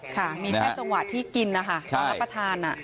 ค่ะมีแค่จังหวะที่กินนะคะตอนรับประทาน